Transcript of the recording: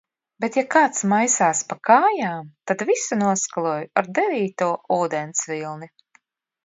Bet ja kāds maisās pa kājām, tad visu noskaloju ar devīto ūdens vilni.